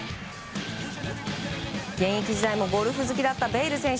現役時代もゴルフ好きだったベイル選手。